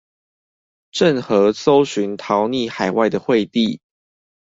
鄭和搜尋逃匿海外的惠帝